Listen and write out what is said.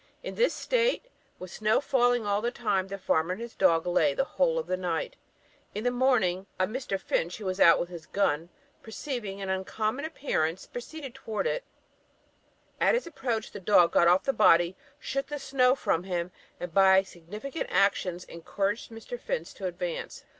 In this state, with snow falling all the time, the farmer and his dog lay the whole of the night; in the morning, a Mr. Finch, who was out with his gun, perceiving an uncommon appearance, proceeded towards it; at his approach, the dog got off the body, shook the snow from him, and by significant actions encouraged Mr. Finch to advance.